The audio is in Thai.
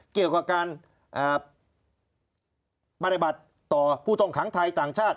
เกี่ยวกับการปฏิบัติต่อผู้ต้องขังไทยต่างชาติ